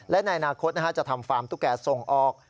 และในอนาคตจะทำฟาร์มตุ๊กแก่ส่งออก